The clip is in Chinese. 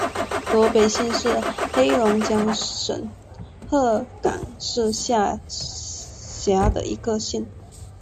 萝北县是黑龙江省鹤岗市下辖的一个县。